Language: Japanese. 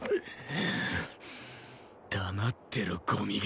黙ってろゴミが！